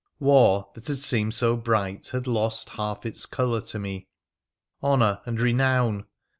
War, that had seemed so bright, had lost half its colour to me. Honour ! and renown